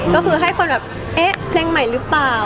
ก็คือให้คนแบบเอ๊ะเพลงใหม่หรือเปล่า